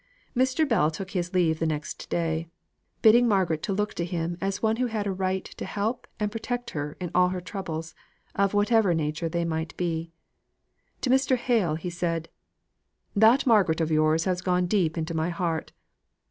Mr. Bell took his leave the next day, bidding Margaret look to him as one who had a right to help and protect her in all her troubles, of whatever nature they might be. To Mr. Hale he said, "That Margaret of yours has gone deep into my heart.